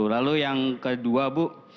lalu yang kedua bu